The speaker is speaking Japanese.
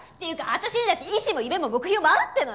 私にだって意思も夢も目標もあるっての！